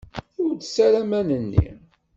Ur ttess ara aman-nni.